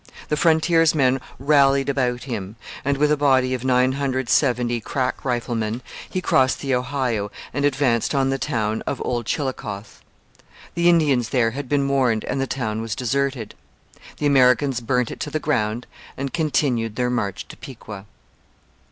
The frontiersmen rallied about him; and with a body of 970 crack riflemen he crossed the Ohio and advanced on the town of Old Chillicothe. The Indians there had been warned and the town was deserted. The Americans burnt it to the ground and continued their march to Piqua.